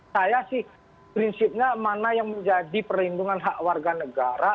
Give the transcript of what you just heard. saya sih prinsipnya mana yang menjadi perlindungan hak warga negara